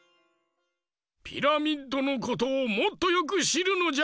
ピラミッドのことをもっとよくしるのじゃ。